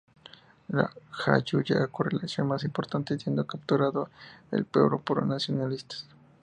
En Jayuya ocurre la acción más importante, siendo capturado el pueblo por nacionalistas.